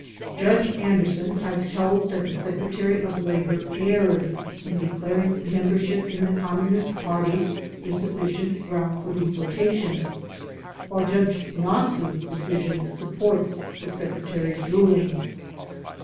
Judge Anderson has held that the Secretary of Labor erred in declaring membership in the Communist Party a suffi cient ground for deportation, while Judge Knox's deci sion supports the Secretary's ruling.